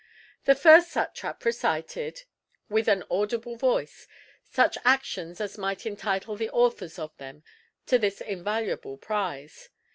The first satrap recited, with an audible voice, such actions as might entitle the authors of them to this invaluable prize.